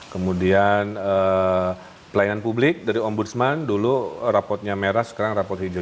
kemudian pelayanan publik dari ombudsman dulu rapotnya merah sekarang rapot hijau